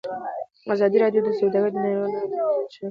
ازادي راډیو د سوداګري د نړیوالو نهادونو دریځ شریک کړی.